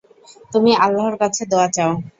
তুমি আল্লাহর কাছে দোয়া চাও।